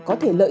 có thể lợi ích